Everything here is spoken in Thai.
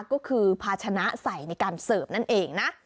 ก็คือภาชนะใส่ในการเสิร์ฟนั่นเองนะ